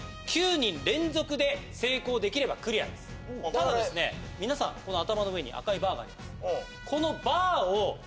ただですね頭の上に赤いバーがあります。